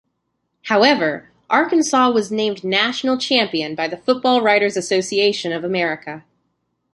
However, Arkansas was named national champion by the Football Writers Association of America.